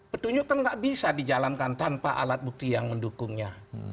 petunjuk kan nggak bisa dijalankan tanpa alat bukti yang mendukungnya